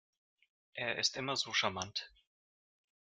Er ist immer so charmant.